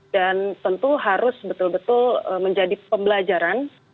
dan tentu harus betul betul menjadi pembelajaran